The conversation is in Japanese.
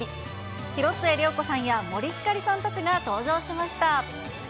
広末涼子さんや森星さんたちが登場しました。